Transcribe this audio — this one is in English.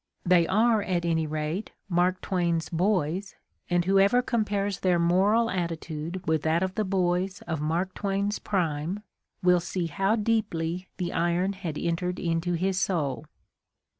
They are, at any rate, Mark Twain's boys, and whoever compares their moral attitude with that of the boys of Mark Twain's prime will see how deeply the iron had entered into his soul.